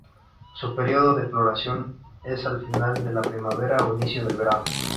Su periodo de floración es al final de la primavera o inicio del verano.